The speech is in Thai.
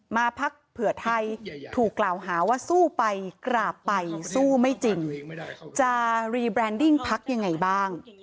พักเผื่อไทยถูกกล่าวหาว่าสู้ไปกราบไปสู้ไม่จริงจะรีแบรนดิ้งพักยังไงบ้าง